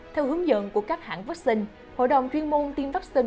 theo hướng dẫn của các hãng vắc xin hội đồng chuyên môn tiêm vắc xin